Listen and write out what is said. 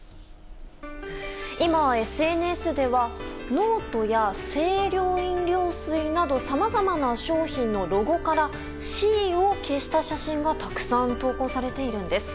今はＳＮＳではノートや清涼飲料水などさまざまな商品のロゴから「Ｃ」を消した写真がたくさん投稿されているんです。